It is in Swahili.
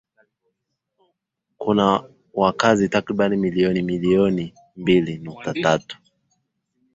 Kuna wakazi takriban milioni milioni mbili nukta tatu